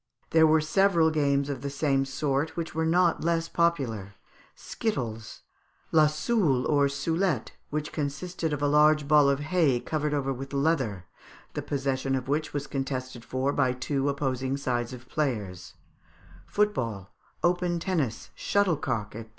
There were several games of the same sort, which were not less popular. Skittles; la Soule or Soulette, which consisted of a large ball of hay covered over with leather, the possession of which was contested for by two opposing sides of players; Football; open Tennis; Shuttlecock, &c.